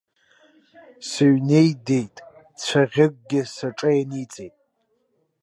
Сыҩнеидеит, цәаӷьыкгьы саҿа ианиҵеит.